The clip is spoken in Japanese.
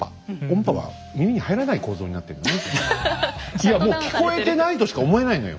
いやもう聞こえてないとしか思えないのよ。